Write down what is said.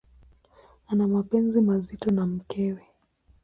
Ana mapenzi mazito na mkewe.